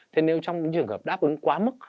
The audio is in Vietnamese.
thế nếu trong những trường hợp đáp ứng quá mức